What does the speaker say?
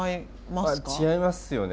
違いますよね